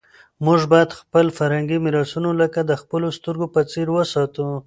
موږ باید خپل فرهنګي میراثونه لکه د خپلو سترګو په څېر وساتو.